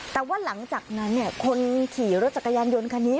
แต่ว่าหลังจากนั้นคนขี่รถจักรยานยนต์คันนี้